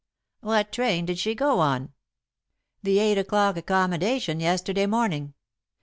"What train did she go on?" "The eight o'clock accommodation, yesterday morning.